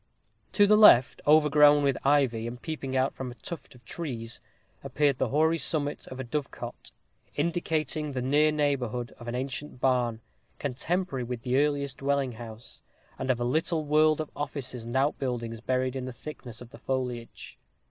To the left, overgrown with ivy, and peeping from out a tuft of trees, appeared the hoary summit of a dovecot, indicating the near neighborhood of an ancient barn, contemporary with the earliest dwelling house, and of a little world of offices and outbuildings buried in the thickness of the foliage.